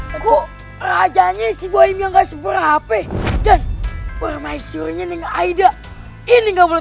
aku rajanya si boy yang gak seberapa dan permaisurnya dengan aida ini gak boleh